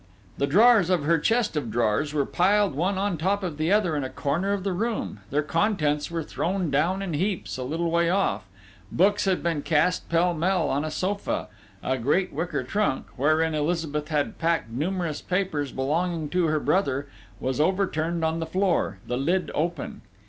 The drawers of her chest of drawers were piled one on top of the other in a corner of the room; their contents were thrown down in heaps a little way off; books had been cast pell mell on a sofa; a great wicker trunk, wherein Elizabeth had packed numerous papers belonging to her brother, was overturned on the floor, the lid open.